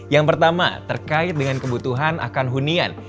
yang pertama terkait dengan kebutuhan akan hunian